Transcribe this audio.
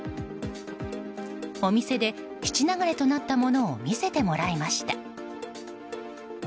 お店で質流れとなったものを見せてもらいました。